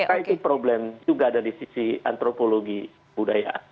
apakah itu problem juga dari sisi antropologi budaya